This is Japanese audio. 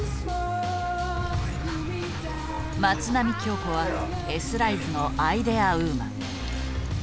松並今日子はＳライズのアイデアウーマン。